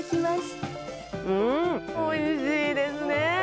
うんおいしいですね。